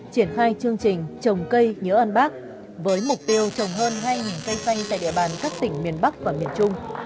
triển khai chương trình trồng cây nhớ ơn bác với mục tiêu trồng hơn hai cây xanh tại địa bàn các tỉnh miền bắc và miền trung